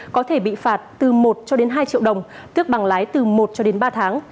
có thể bị phạt từ một cho đến hai triệu đồng tước bằng lái từ một cho đến ba tháng